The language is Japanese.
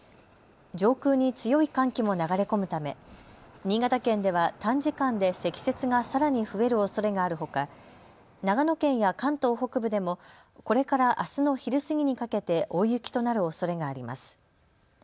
上空に強い寒気も流れ込むため新潟県では短時間で積雪がさらに増えるおそれがあるほか長野県や関東北部でもこれからあすの昼過ぎにかけて大雪となるおそれがあります。